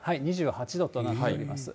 ２８度となっております。